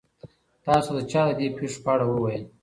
تاسو ته چا د دې پېښو په اړه وویل؟